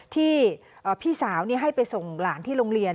ที่พี่สาวให้ไปส่งหลานที่โรงเรียน